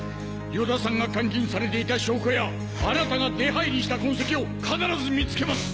与田さんが監禁されていた証拠やあなたが出入りした痕跡を必ず見つけます！